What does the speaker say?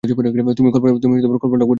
তুমি কল্পনাও করতে পারবে না।